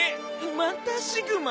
またシグマ！？